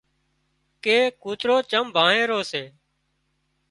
ڪي ڪوترو چم ڀانهي رو سي